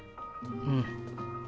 うん。